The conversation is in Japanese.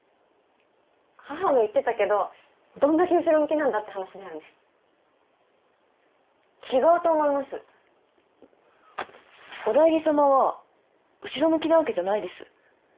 母も言ってたけどどんだけ後ろ向きなんだって話だよね違うと思いますおだいり様は後ろ向きなわけじゃないです